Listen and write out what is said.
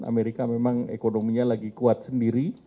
amerika memang ekonominya lagi kuat sendiri